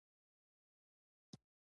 • د شپې رازونه یوازې سپوږمۍ ته معلوم دي.